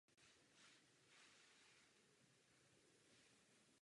Počet článků u jednotlivých druhů nemusí být konstantní.